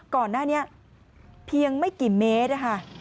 ก่อนหน้านี้เพียงไม่กี่เมตรนะคะ